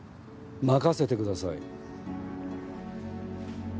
任せてください。